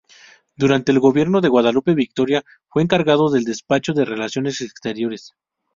Durante el gobierno de Guadalupe Victoria fue encargado del Despacho de Relaciones Exteriores.